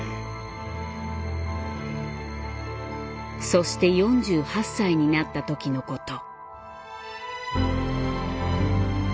そして４８歳になった時のこと。